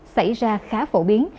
xảy ra khá phổ biến